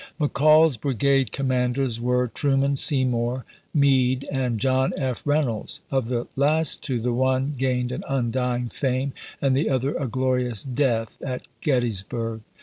Mc Call's brigade commanders were Truman Seymour, Meade, and John F. Reynolds. Of the last two, the one gained an undying fame and the other a glorious death at Gettysburg.